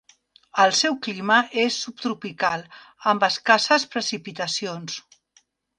El seu clima és subtropical, amb escasses precipitacions.